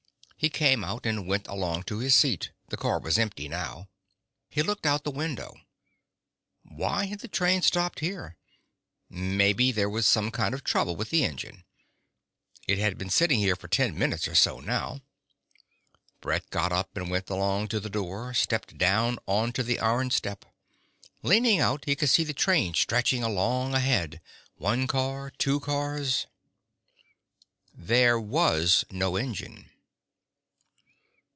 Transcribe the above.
He came out and went along to his seat. The car was empty now. He looked out the window. Why had the train stopped here? Maybe there was some kind of trouble with the engine. It had been sitting here for ten minutes or so now. Brett got up and went along to the door, stepped down onto the iron step. Leaning out, he could see the train stretching along ahead, one car, two cars There was no engine.